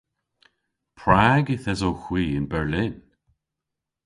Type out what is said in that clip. Prag yth esowgh hwi yn Berlin?